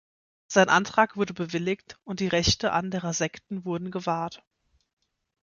Sein Antrag wurde bewilligt und die Rechte anderer Sekten wurden gewahrt.